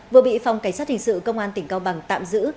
vừa bị phòng cảnh sát hình sự công an tỉnh cao bằng tạm giữ